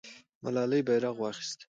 ملالۍ بیرغ واخیست.